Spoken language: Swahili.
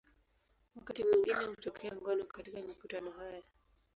Wakati mwingine hutokea ngono katika mikutano haya.